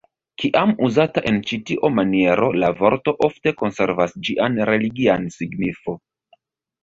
Kiam uzata en ĉi tio maniero la vorto ofte konservas ĝian religian signifo.